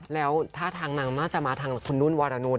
แล้วท่าทางนางน่าจะมาทางคุณนุ่นวรนุษ